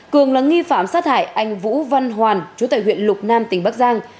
cường là nghi phạm sát hại anh vũ văn hoàn chú tại huyện lục nam tỉnh bắc giang